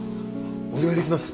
お願いできます？